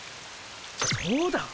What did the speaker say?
そうだ！